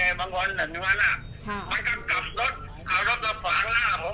ผมก็ถามก็ว่าผมคำอะไรผิดเนี่ย